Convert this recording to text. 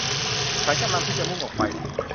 ฉันกำลังที่จะมุ่งออกไป